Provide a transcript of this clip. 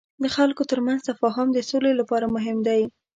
د خلکو ترمنځ تفاهم د سولې لپاره مهم دی.